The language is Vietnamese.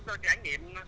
tôi trải nghiệm